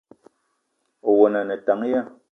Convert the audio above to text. Owono a ne tank ya ?